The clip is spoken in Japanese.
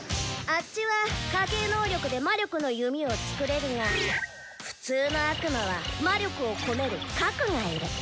あッチは家系能力で「魔力の弓」を作れるが普通の悪魔は魔力を込める「核」がいる。